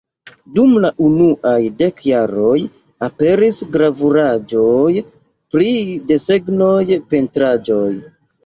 Dum la unuaj dek jaroj, aperis gravuraĵoj pri desegnoj, pentraĵoj.